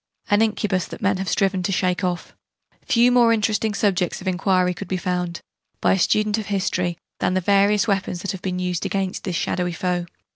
an incubus that men have striven to shake off. Few more interesting subjects of enquiry could be found, by a student of history, than the various weapons that have been used against this shadowy foe.